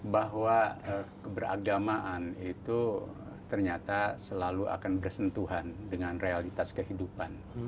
bahwa keberagamaan itu ternyata selalu akan bersentuhan dengan realitas kehidupan